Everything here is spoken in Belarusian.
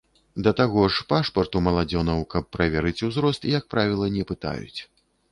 Да таго ж пашпарт у маладзёнаў, каб праверыць узрост, як правіла не пытаюць.